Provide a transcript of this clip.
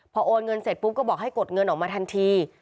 พอโอนเงินเสร็จปุ๊บก็บอกให้กดเงินออกมาทันที